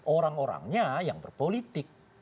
orang orangnya yang berpolitik